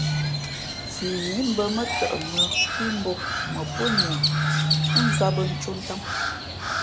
Fʉnǐ mbᾱ mά tαʼ mʉ̄ᾱ hʉ́ mbōk mα pó niα ά nzāt bᾱ ncō ntām.